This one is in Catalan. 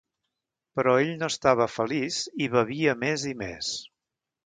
Però ell no estava feliç i bevia més i més.